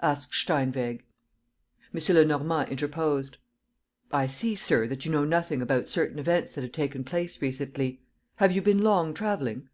asked Steinweg. M. Lenormand interposed: "I see, sir, that you know nothing about certain events that have taken place recently. Have you been long travelling?"